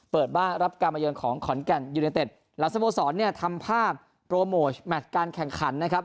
เปิดบ้านรับการมาเยินของขอนแก่นยูเนเต็ดหลังสโมสรเนี่ยทำภาพโปรโมทแมชการแข่งขันนะครับ